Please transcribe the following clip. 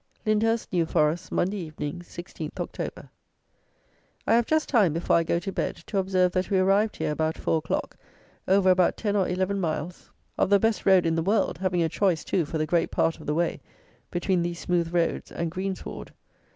Lyndhurst (New Forest), Monday Evening, 16th October. I have just time, before I go to bed, to observe that we arrived here, about 4 o'clock, over about 10 or 11 miles of the best road in the world, having a choice too, for the great part of the way, between these smooth roads and green sward.